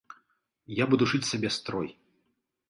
Я буду шыць сабе строй!